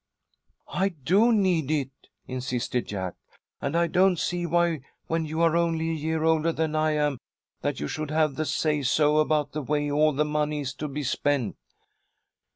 "I do need it," insisted Jack, "and I don't see why, when you are only a year older than I am, that you should have the say so about the way all the money is to be spent."